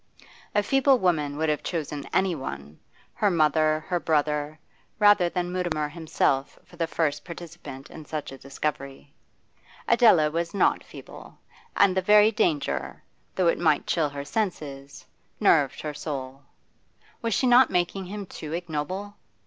A feeble woman would have chosen anyone her mother, her brother rather than Mutimer himself for the first participant in such a discovery. Adela was not feeble, and the very danger, though it might chill her senses, nerved her soul. Was she not making him too ignoble?